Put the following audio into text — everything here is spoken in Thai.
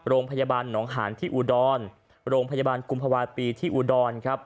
โรงพยาบาลหนองหานที่อุดรโรงพยาบาลกุมภาวะปีที่อุดรครับ